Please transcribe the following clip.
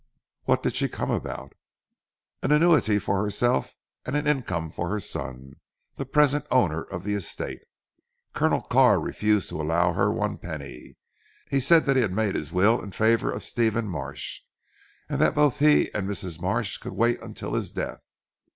"What did she come about?" "An annuity for herself and an income for her son, the present owner of the estate. Colonel Carr refused to allow her one penny. He said that he had made his will in favour of Stephen Marsh, and that both he and Mrs. Marsh could wait until his death.